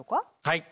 はい。